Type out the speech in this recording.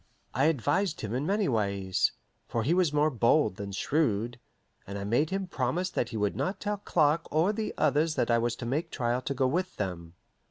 I advised him in many ways, for he was more bold than shrewd, and I made him promise that he would not tell Clark or the others that I was to make trial to go with them.